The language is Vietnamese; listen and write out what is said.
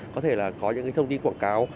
có thể là có những thông tin quảng cáo